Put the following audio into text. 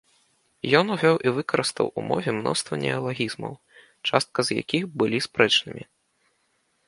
Ён увёў і выкарыстаў у мове мноства неалагізмаў, частка з якіх былі спрэчнымі.